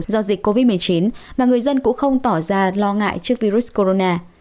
do dịch covid một mươi chín mà người dân cũng không tỏ ra lo ngại trước virus corona